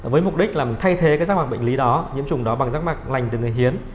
với mục đích là thay thế rác mạc bệnh lý đó nhiễm trùng đó bằng rác mạc lành từ người hiến